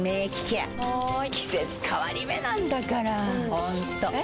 ホントえ？